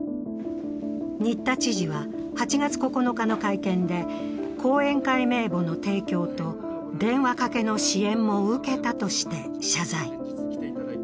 新田知事は８月９日の会見で講演会名簿の提供と電話かけの支援も受けたとして謝罪。